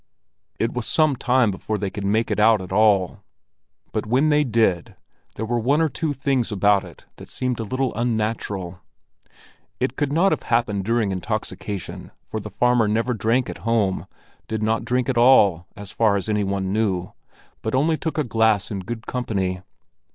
It was some time before they could make it out at all, but when they did there were one or two things about it that seemed a little unnatural. It could not have happened during intoxication, for the farmer never drank at home, did not drink at all, as far as any one knew, but only took a glass in good company.